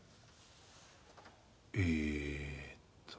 えっと